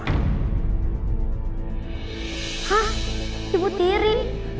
hah ibu tiri